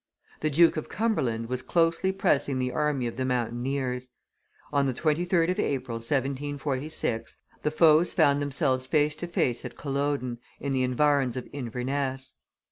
The Duke of Cumberland was closely pressing the army of the mountaineers. On the 23d of April, 1746, the foes found themselves face to face at Culloden, in the environs of Inverness.